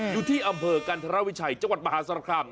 อยู่ที่อำเภอกัณฑราวิไชจังหวัดมหาสรคราม